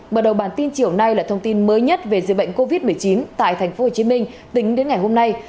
mở đầu bản tin chiều nay là thông tin mới nhất về dịch bệnh covid một mươi chín tại tp hcm tính đến ngày hôm nay